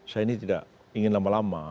saya ini tidak ingin lama lama